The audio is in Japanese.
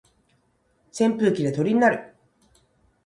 扇風機で鳥になる